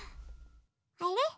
あれ？